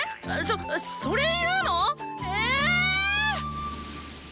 そっそれ言うの⁉え？